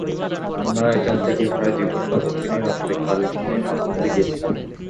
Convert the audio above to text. আমরা এখান থেকে প্রায় দুই ঘন্টা দক্ষিণে রাত্রিকালীন সময়ে মাছ ধরতে গিয়েছিলাম।